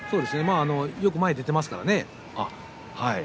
よく前に出ていますからね。